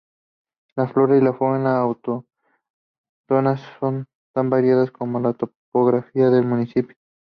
La flora y fauna autóctonas son tan variadas como la topografía del municipio.